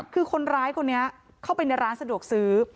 คือคนร้ายคนนี้เข้าไปในร้านสะดวกซื้อ